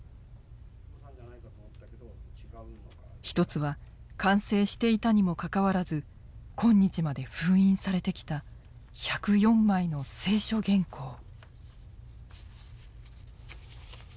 一つは完成していたにもかかわらず今日まで封印されてきた１０４枚の清書原稿。